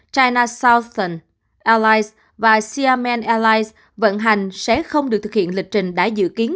china southern airlines và xiamen airlines vận hành sẽ không được thực hiện lịch trình đã dự kiến